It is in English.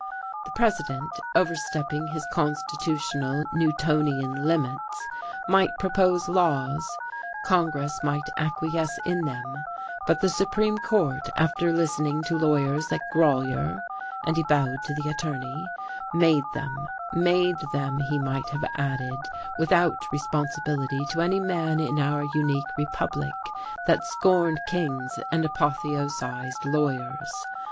The President, overstepping his constitutional, Newtonian limits, might propose laws, Congress might acquiesce in them, but the Supreme Court, after listening to lawyers like Grolier (and he bowed to the attorney), made them: made them, he might have added, without responsibility to any man in our unique Republic that scorned kings and apotheosized lawyers.